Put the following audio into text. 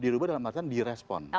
dirubah dalam artian di respon